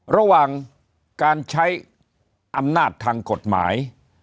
ระหว่างการใช้อำนาจทางกฎหมาย